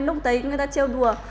lúc đấy người ta trêu đùa